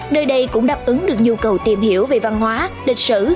nơi đây cũng đáp ứng được nhu cầu tìm hiểu về văn hóa lịch sử